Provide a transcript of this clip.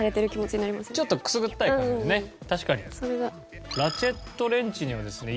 ちょっとくすぐったい感じね。